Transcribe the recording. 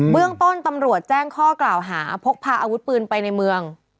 เรื่องต้นตำรวจแจ้งข้อกล่าวหาพกพาอาวุธปืนไปในเมือง